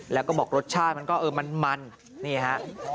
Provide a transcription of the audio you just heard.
แล้วก็บอกรสชาติมันก็เออมันนี่ฮะ